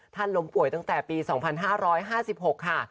ล้มป่วยตั้งแต่ปี๒๕๕๖ค่ะ